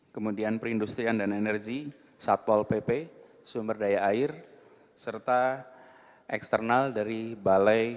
kemudian perindustrian dan energi satpol pp sumber daya air serta eksternal dari balai